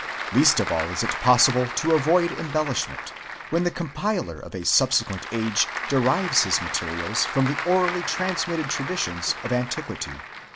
Least of all is it possible to avoid embellishment, when the compiler of a subsequent age derives his materials from the orally transmitted traditions of antiquity.